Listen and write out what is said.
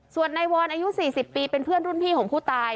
ส่วนนายวรอายุ๔๐ปีเป็นเพื่อนรุ่นพี่ของผู้ตาย